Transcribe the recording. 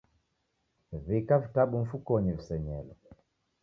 W'ika vitabu mfukonyi visenyelo